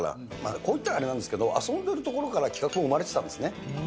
こう言ったらあれなんですけど、遊んでいるところから企画が生まれてたんですね。